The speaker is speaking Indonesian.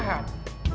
itu gue aja dulu